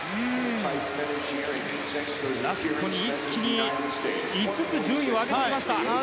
ラスト、一気に５つ順位を上げました。